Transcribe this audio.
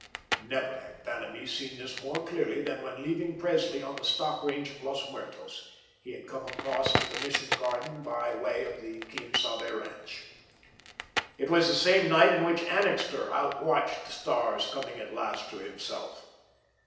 Never had Vanamee seen this more clearly than when leaving Presley on the stock range of Los Muertos, he had come across to the Mission garden by way of the Quien Sabe ranch. It was the same night in which Annixter out watched the stars, coming, at last, to himself.